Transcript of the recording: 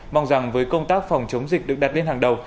mong rằng với công tác phòng chống dịch được đặt lên hàng đầu